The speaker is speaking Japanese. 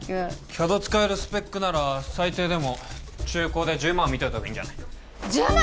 ＣＡＤ使えるスペックなら最低でも中古で１０万みといたほうがいいんじゃない？１０万！？